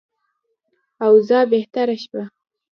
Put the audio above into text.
اوضاع بهتره شوه.